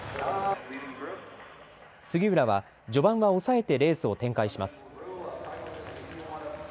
杉浦は、序盤は抑えてレースを展開します。